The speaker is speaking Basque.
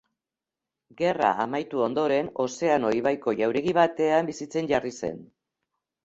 Gerra amaitu ondoren, Ozeano ibaiko jauregi batean bizitzen jarri zen.